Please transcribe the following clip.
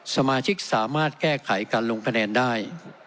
สมาชิกสามารถแก้ไขการลงคะแนนได้